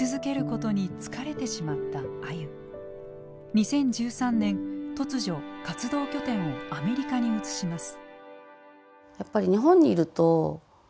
２０１３年突如活動拠点をアメリカに移します。